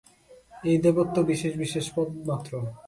এই দেবত্ব বিশেষ বিশেষ পদমাত্র।